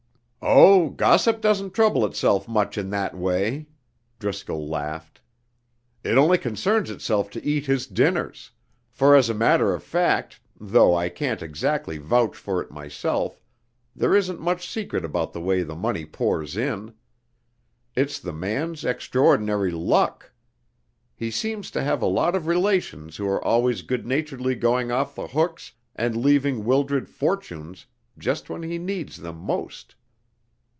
"Oh, gossip doesn't trouble itself much in that way!" Driscoll laughed. "It only concerns itself to eat his dinners, for as a matter of fact, though I can't exactly vouch for it myself, there isn't much secret about the way the money pours in. It's the man's extraordinary luck! He seems to have a lot of relations who are always good naturedly going off the hooks and leaving Wildred fortunes just when he needs them most.